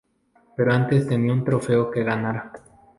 Pero antes tenía un trofeo que ganar.